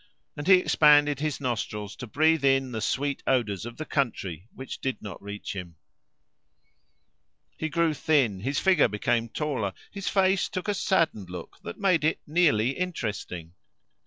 And he expanded his nostrils to breathe in the sweet odours of the country which did not reach him. He grew thin, his figure became taller, his face took a saddened look that made it nearly interesting.